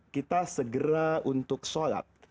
kita segera untuk solat